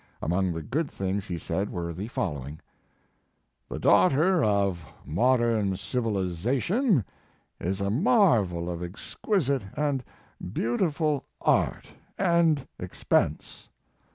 Among the good things he said were the follow ing: "The daughter of modern civiliza tion is a marvel of exquisite and beautiful art and expense.